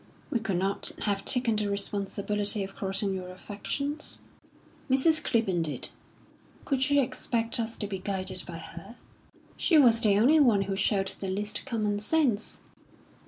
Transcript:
"We could not have taken the responsibility of crossing your affections." "Mrs. Clibborn did." "Could you expect us to be guided by her?" "She was the only one who showed the least common sense."